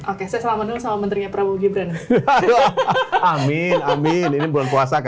oke saya salamkan dulu sama menterinya prabowo gibrant